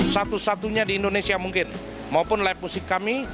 satu satunya di indonesia mungkin maupun lepuzik kami